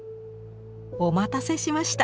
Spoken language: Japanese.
お待たせしました。